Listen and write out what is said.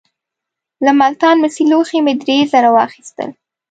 له ملتان مسي لوښي مې درې زره واخیستل.